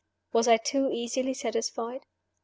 Was I too easily satisfied?